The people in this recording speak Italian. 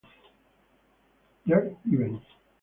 Jack Givens